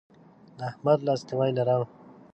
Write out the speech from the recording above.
د احمد لاسنیوی لرم.